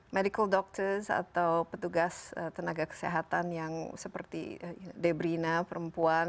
medical doctors atau petugas tenaga kesehatan yang seperti debrina perempuan